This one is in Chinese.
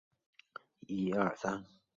如今的云南驿机场实为原北屯机场。